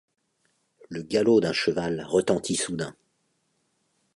Le galop d’un cheval retentit soudain.